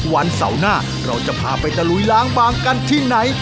วันเสาร์หน้าเราจะพาไปตะลุยล้างบางกันที่ไหน